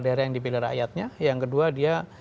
daerah yang dipilih rakyatnya yang kedua dia